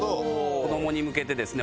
子どもに向けてですね